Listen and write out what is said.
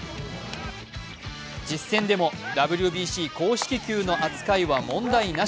実戦でもＷＢＣ公式球の扱いは問題なし。